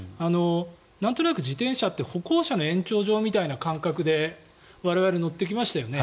なんとなく自転車って歩行者の延長上みたいな感覚で我々、乗ってきましたよね。